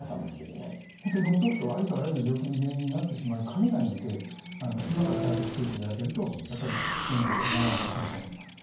本当にほっとくとありとあらゆる病気の原因になってしまいかねないので今から対策しておいて頂けるとやっぱり元気で長生きできると思います。